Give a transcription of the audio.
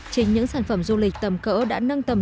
trên những sản phẩm du lịch tầm cỡ đã nâng tầm